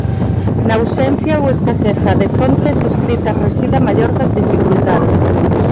Na ausencia ou escaseza de fontes escritas reside a maior das dificultades.